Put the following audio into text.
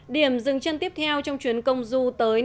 điểm dừng chân tiếp theo trong chuyến công du tới năm quốc gia mỹ latin